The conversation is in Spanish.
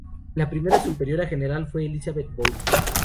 La primera superiora general fue Elizabeth Boyle.